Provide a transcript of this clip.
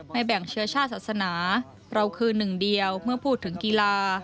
แบ่งเชื้อชาติศาสนาเราคือหนึ่งเดียวเมื่อพูดถึงกีฬา